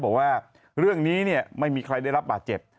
แบบว่าเรื่องนี้เนี้ยไม่มีใครได้รับประเจ็บ